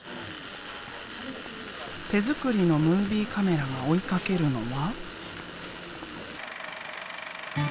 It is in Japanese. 手作りのムービーカメラが追いかけるのは。